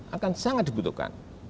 akan sangat dibutuhkan